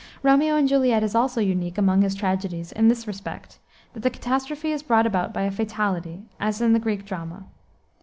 Romeo and Juliet is also unique, among his tragedies, in this respect, that the catastrophe is brought about by a fatality, as in the Greek drama.